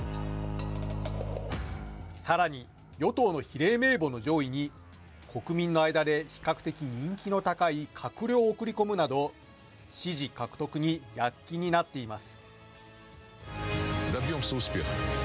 さらに与党の比例名簿の上位に、国民の間で比較的人気の高い閣僚を送り込むなど、支持獲得に躍起になっています。